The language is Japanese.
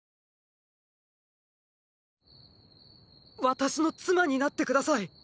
私の妻になって下さい。